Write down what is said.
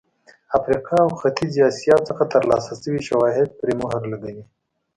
افریقا او ختیځې اسیا څخه ترلاسه شوي شواهد پرې مهر لګوي.